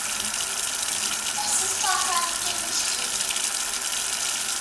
Tas izklausās brīnišķīgi.